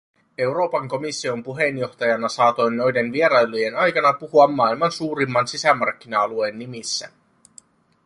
Euroopan komission puheenjohtajana saatoin noiden vierailujen aikana puhua maailman suurimman sisämarkkina-alueen nimissä.